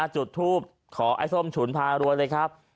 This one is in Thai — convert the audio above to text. จุดทูปขอไอ้ส้มฉุนพารวยเลยครับ